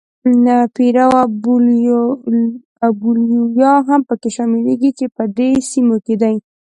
پیرو او بولیویا هم پکې شاملېږي چې په دې سیمو کې دي.